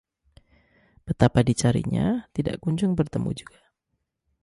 betapa dicarinya, tidak kunjung bertemu juga